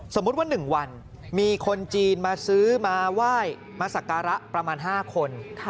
สมมุติว่า๑วันมีคนจีนมาซื้อมาไหว้มาสักการะประมาณ๕คน